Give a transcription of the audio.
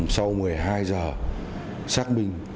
sau một mươi hai h sát binh